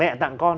mẹ tặng con